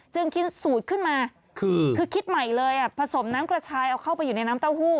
จึงคิดสูตรขึ้นมาคือคิดใหม่เลยผสมน้ำกระชายเอาเข้าไปอยู่ในน้ำเต้าหู้